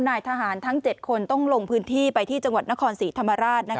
นายทหารทั้ง๗คนต้องลงพื้นที่ไปที่จังหวัดนครศรีธรรมราช